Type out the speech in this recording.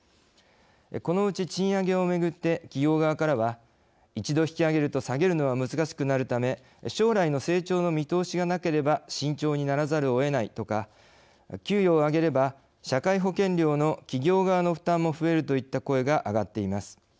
このうち賃上げをめぐって企業側からは一度引き上げると下げるのは難しくなるため将来の成長の見通しがなければ慎重にならざるをえないとか給与を上げれば社会保険料の企業側の負担も増えるといった声が上がっています。